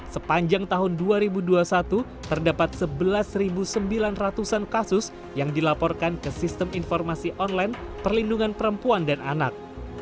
sepanjang tahun dua ribu dua puluh satu terdapat sebelas sembilan ratus an kasus yang dilaporkan ke sistem informasi online perlindungan perempuan dan anak